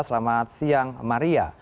selamat siang maria